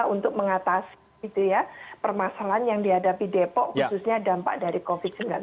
untuk mengatasi permasalahan yang dihadapi depok khususnya dampak dari covid sembilan belas